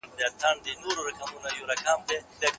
د کلمو سم لیکل د املا له لارې زده کېږي.